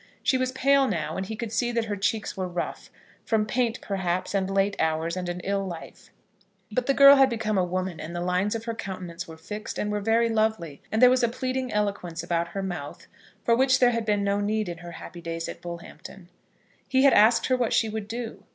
She was pale now, and he could see that her cheeks were rough, from paint, perhaps, and late hours, and an ill life; but the girl had become a woman, and the lines of her countenance were fixed, and were very lovely, and there was a pleading eloquence about her mouth for which there had been no need in her happy days at Bullhampton. He had asked her what she would do!